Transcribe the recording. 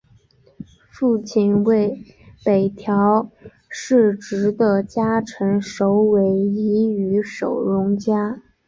父亲为北条氏直的家臣神尾伊予守荣加。